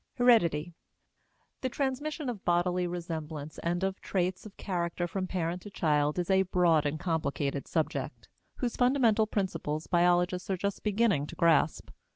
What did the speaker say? HEREDITY. The transmission of bodily resemblance and of traits of character from parent to child is a broad and complicated subject, whose fundamental principles biologists are just beginning to grasp.